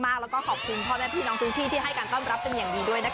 แล้วก็ขอบคุณพ่อแม่พี่น้องพื้นที่ที่ให้การต้อนรับเป็นอย่างดีด้วยนะคะ